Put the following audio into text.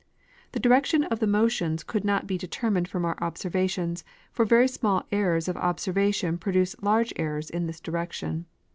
The direction of the motions could not be de termined from our observations, for very small errors of observa tion produce large errors in this direction.